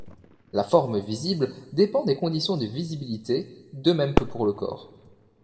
La forme visible dépend des conditions de visibilité, de même que pour le corps.